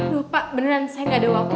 lupa beneran saya gak ada waktu